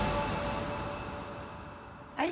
はい。